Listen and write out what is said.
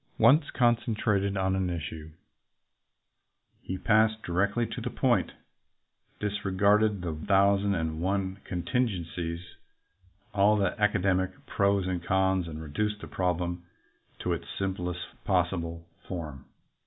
Once concentrated on an issue, he passed directly to the point, disregarded the thousand and one contingencies, all the academic pros and cons, and reduced the problem to its simplest possible form.